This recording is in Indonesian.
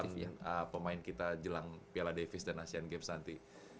pemain kita jelang piala davis dan asean games nanti